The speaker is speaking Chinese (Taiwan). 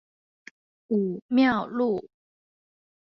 武廟路